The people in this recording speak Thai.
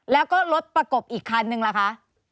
แล้วก็รถประกบอีกคันนึงล่ะคะ